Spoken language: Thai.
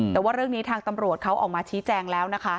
แต่ว่าเรื่องนี้ทางตำรวจเขาออกมาชี้แจงแล้วนะคะ